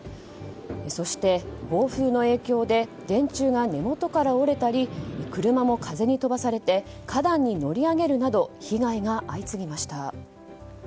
そして、暴風の影響で電柱が根元から折れたり車も風に飛ばされて花壇に乗り上げるなど被害が相次ぎました。